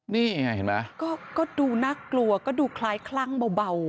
นี่ไงเห็นไหมก็ดูน่ากลัวก็ดูคล้ายคลั่งเบา